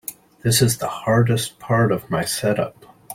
This is the hardest part of my setup.